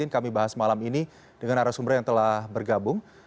kami bahas malam ini dengan arah sumber yang telah bergabung